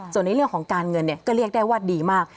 ส่วนในเรื่องของการเงินก็เรียกได้ว่าดีมาก